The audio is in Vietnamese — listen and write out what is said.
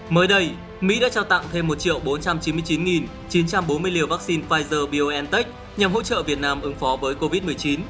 mới đây mỹ đã trao tặng thêm một bốn trăm chín mươi chín chín trăm bốn mươi liều vaccine pfizer biontech nhằm hỗ trợ việt nam ứng phó với covid một mươi chín